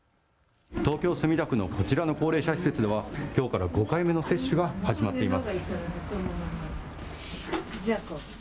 東京墨田区のこちらの高齢者施設ではきょうから５回目の接種が始まっています。